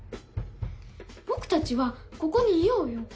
僕たちはここにいようよ。